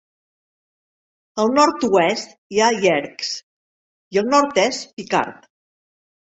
Al nord-oest hi ha Yerkes i al nord-est Picard.